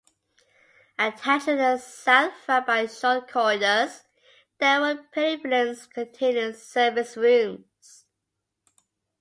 Attached to the south front by short corridors there were pavilions containing service rooms.